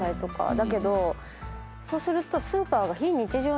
だけどそうすると。